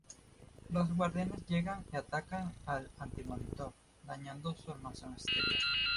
Los Guardianes llegan y atacan al Antimonitor, dañando su armazón exterior.